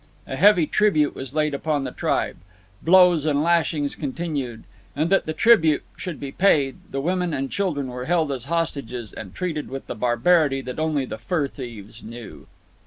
A heavy tribute was laid upon the tribe. Blows and lashings continued, and that the tribute should be paid, the women and children were held as hostages and treated with the barbarity that only the fur thieves knew.